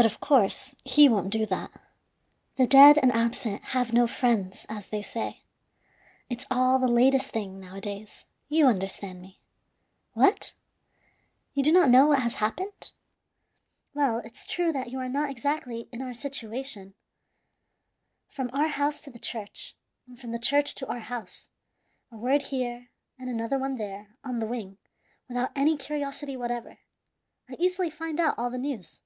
But, of course, he won't do that. The dead and absent have no friends, as they say. It's all the latest thing, nowadays; you understand me. What? You do not know what has happened? Well, it's true you are not exactly in our situation. From our house to the church, and from the church to our house a word here and another one there on the wing without any curiosity whatever I easily find out all the news.